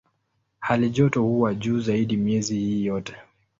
Halijoto huwa juu zaidi miezi hii yote.